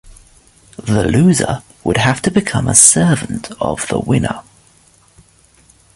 The loser would have to become a servant of the winner.